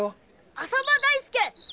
浅葉大介！